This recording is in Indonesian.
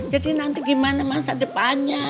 jadi nanti gimana masa depannya